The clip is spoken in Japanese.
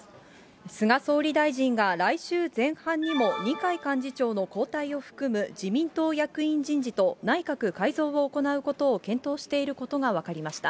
菅総理大臣が来週前半にも二階幹事長の交代を含む自党役員人事と、内閣改造を行うことを検討していることが分かりました。